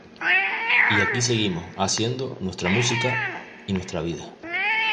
Y aquí seguimos, haciendo nuestra música... y nuestra vida.